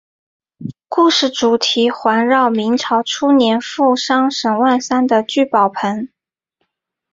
故事主题环绕明朝初年富商沈万三的聚宝盆。